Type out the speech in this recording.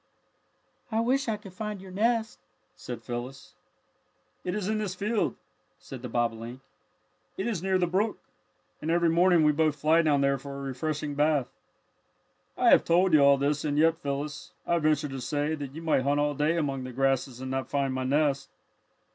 "I wish I could find your nest," said Phyllis. "It is in this field," said the bobolink. "It is near the brook, and every morning we both fly down there for a refreshing bath. "I have told you all this, and yet, Phyllis, I venture to say that you might hunt all day among the grasses and not find my nest.